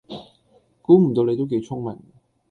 估唔到你都幾聰明